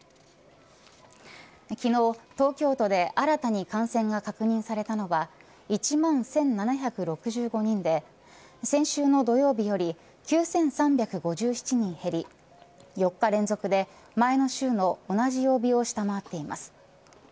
昨日、東京都で新たに感染が確認されたのは１万１７６５人で先週の土曜日より９３５７人減り４日連続で前の週の同じ曜日を下回っています。